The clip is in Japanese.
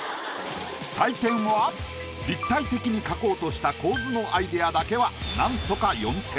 採点は立体的に描こうとした構図のアイディアだけはなんとか４点。